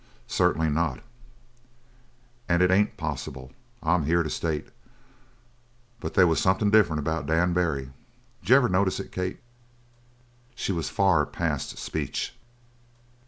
"Certainly not." "And it ain't possible, I'm here to state. But they was something different about Dan Barry. D'you ever notice it, Kate?" She was far past speech.